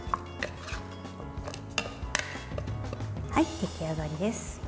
出来上がりです。